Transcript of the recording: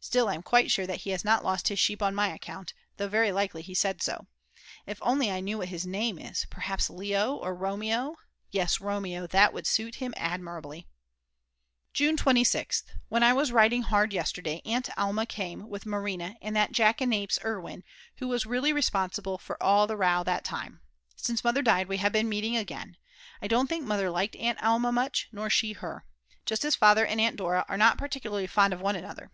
Still, I'm quite sure that he has not lost his sleep on my account, though very likely he said so. If I only knew what his name is, perhaps Leo or Romeo; yes, Romeo, that would suit him admirably! June 26th. When I was writing hard yesterday Aunt Alma came with Marina and that jackanapes Erwin who was really responsible for all the row that time. Since Mother died we have been meeting again. I don't think Mother liked Aunt Alma much, nor she her. Just as Father and Aunt Dora are not particularly fond of one another.